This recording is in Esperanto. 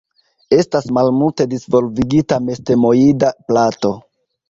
Estas malmulte disvolvigita mestemoida plato.